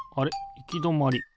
いきどまり。